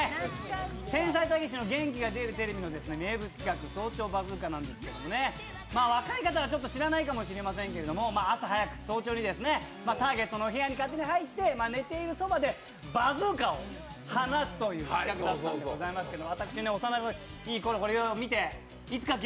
「天才・たけしの元気が出るテレビ！！」の名物企画、「早朝バズーカ」なんですけども若い方は知らないかも知れませんけど朝早く、早朝にターゲットの部屋に勝手に入って寝ているそばで、バズーカを放つという企画だったんですけど。